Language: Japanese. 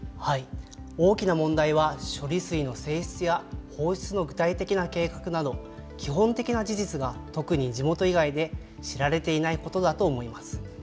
大きな問題は処理水の性質や放出の具体的な計画など、基本的な事実が特に地元以外で知られていないことだと思います。